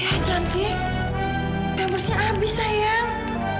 ya cantik pampersnya abis sayang